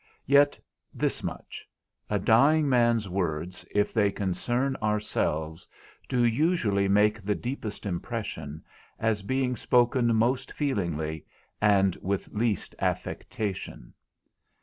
Yet thus much: a dying man's words, if they concern ourselves, do usually make the deepest impression, as being spoken most feelingly, and with least affectation.